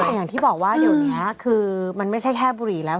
แต่อย่างที่บอกว่าเดี๋ยวนี้คือมันไม่ใช่แค่บุหรี่แล้ว